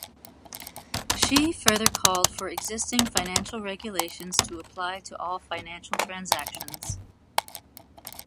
Xi further called for existing financial regulations to apply to all financial transactions.